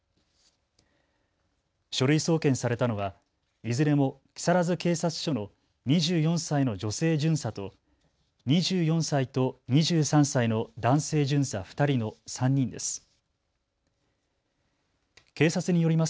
書類送検されたのはいずれも木更津警察署の２４歳の女性巡査と２４歳と２３歳の男性巡査２人の３人です。